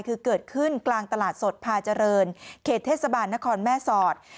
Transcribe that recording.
คือเกิดขึ้นกลางตลาดสดพาเจริญเขตเทศบาลนครแม่สอด